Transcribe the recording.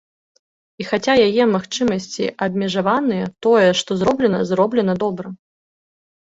І хаця яе магчымасці абмежаваныя, тое, што зроблена, зроблена добра.